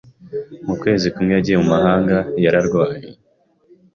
Mu kwezi kumwe yagiye mu mahanga, yararwaye.